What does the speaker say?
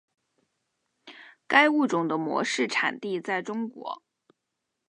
该物种的模式产地在中国。